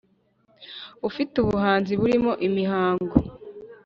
Ufite ubuhanzi burimo imihango